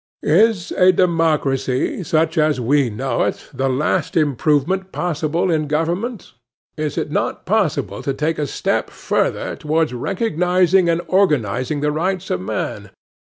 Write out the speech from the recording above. Is a democracy, such as we know it, the last improvement possible in government? Is it not possible to take a step further towards recognizing and organizing the rights of man?